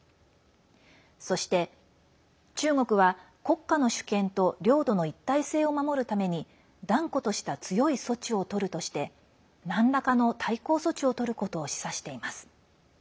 そして中国は、国家の主権と領土の一体性を守るために断固とした強い措置をとるとしてなんらかの対抗措置をとることを示唆しています。